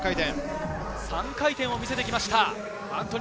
３回転を見せてきました。